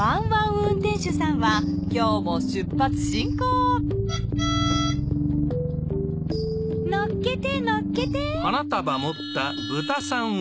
運転手さんは今日も出発進行乗っけて乗っけて。